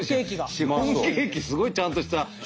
シフォンケーキすごいちゃんとした。